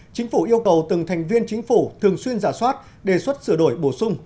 chính phủ yêu cầu từng thành viên chính phủ thường xuyên giả soát đề xuất sửa đổi bổ sung